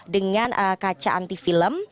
dengan kaca anti film